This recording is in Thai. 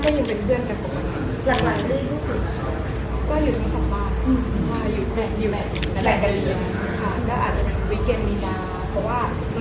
อ้าวคือการยาต่อต้น